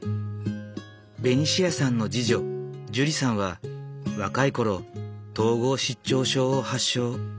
ベニシアさんの次女ジュリさんは若い頃統合失調症を発症。